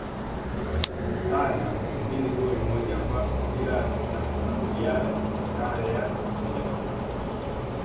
Sanaa Yemen goli moja kwa bila na marudiano ni sare ya moja kwa moja